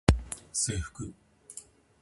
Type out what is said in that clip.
制服